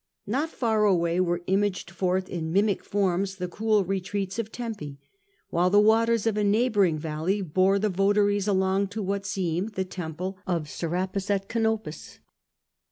Not far away were imaged forth in mimic forms the cool retreats of Tempe, while the waters of a neighbouring valley bore the votaries along to what seemed the temple of Serapis at Canopus.